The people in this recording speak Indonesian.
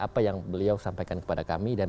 apa yang beliau sampaikan kepada kami dan